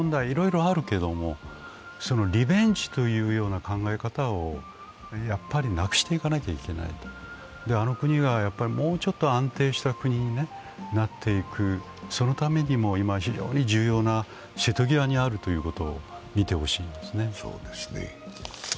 いろいろあるけどもリベンジというような考え方をやぱりなくしていかなきゃいけないあの国がもうちょっと安定した国になっていく、そのためにも今、非常に重要な瀬戸際にあるということを見てほしいですね。